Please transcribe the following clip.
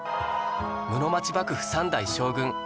室町幕府３代将軍